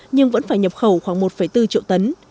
nhưng vẫn phải nhập khẩu khoảng một bốn triệu tấn